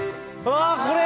ああこれ！